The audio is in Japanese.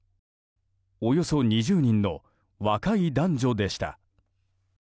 およそ２０人の若い男女でした。